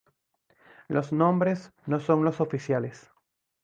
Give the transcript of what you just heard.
Los nombres no son los oficiales.